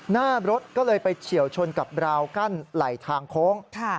หน้ารถก็เลยไปเฉียวชนกับราวกั้นไหลทางโค้ง